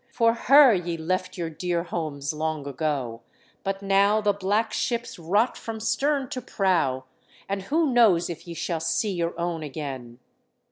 For her ye left your dear homes long ago, but now the black HELEN OF TROY 83 ships rot from stern to prow, and who knows if ye shall see your own again?